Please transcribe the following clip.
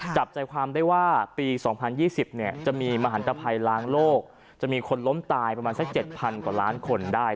จับใจความได้ว่าปี๒๐๒๐จะมีมหันตภัยล้างโลกจะมีคนล้มตายประมาณสัก๗๐๐กว่าล้านคนได้